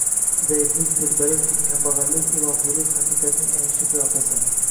Zaiflik, telbalik, kambag’allik, ilohiylik, haqiqatning ayanchli qiyofasi.